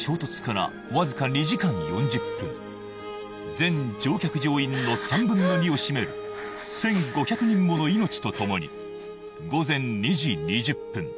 全乗客乗員の３分の２を占める１５００人もの命とともに午前２時２０分